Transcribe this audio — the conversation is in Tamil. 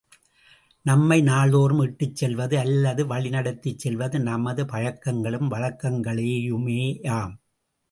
நம்மை நாள்தோறும் இட்டுச் செல்வது அல்லது வழிநடத்திச் செல்வது நமது பழக்கங்களும் வழக்கங்களுமேயாம்.